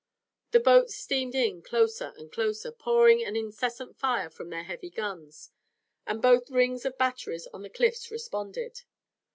The boats steamed in closer and closer, pouring an incessant fire from their heavy guns, and both rings of batteries on the cliffs responded.